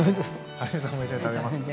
はるみさんも一緒に食べますか。